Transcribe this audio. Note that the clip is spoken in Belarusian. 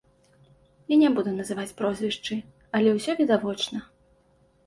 Я не буду называць прозвішчы, але ўсё відавочна.